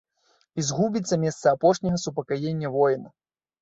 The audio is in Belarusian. І згубіцца месца апошняга супакаення воіна.